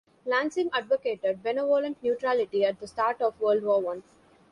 Lansing advocated "benevolent neutrality" at the start of World War One.